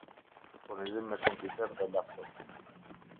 Furnizim me Kompjuter dhe Laptop